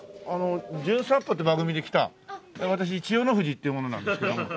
『じゅん散歩』って番組で来た私千代の富士っていう者なんですけども。